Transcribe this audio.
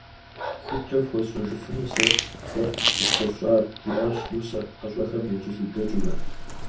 «Сыткӏэ фхуэсщӏэжыфыну, сэ фэ къысхуэфщӏар?» жиӏащ Лусэ, хьэщӏэхэм якӏэлъыдэкӏыурэ.